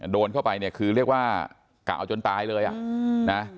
โดนเข้าไปเนี่ยคือเรียกว่ากะเอาจนตายเลยอ่ะนะ